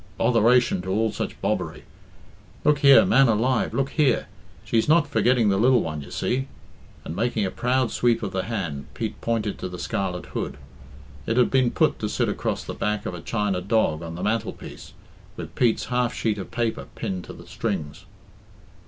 botheration to all such bobbery! Look here man alive, look here! She's not forgetting the lil one, you see," and, making a proud sweep of the hand, Pete pointed to the scarlet hood. It had been put to sit across the back of a china dog on the mantelpiece, with Pete's half sheet of paper pinned to the strings.